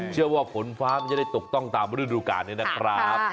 เชื่อว่าขนฟ้ามันจะได้ตกต้องตามฤดูกาเนี่ยนะครับ